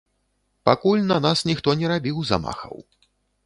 Пакуль на нас ніхто не рабіў замахаў.